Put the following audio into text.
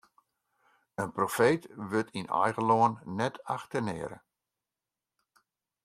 In profeet wurdt yn eigen lân net achtenearre.